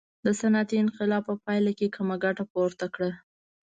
د صنعتي انقلاب په پایله کې یې کمه ګټه پورته کړه.